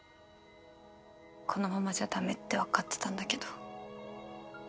このままじゃ駄目ってわかってたんだけど。